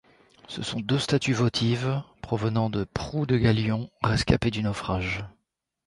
Ce sont deux statues votives provenant de proues de galions rescapés du naufrage.